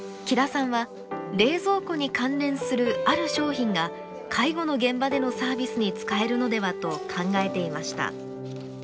木田さんは冷蔵庫に関連するある商品が介護の現場でのサービスに使えるのではと考えていました。